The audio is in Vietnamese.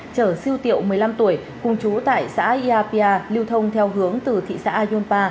chở siêu tiệu một mươi năm tuổi cùng chú tại xã yà pia lưu thông theo hướng từ thị xã ayunpa